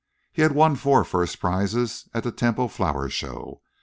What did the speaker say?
He had won four first prizes at the Temple Flower Show.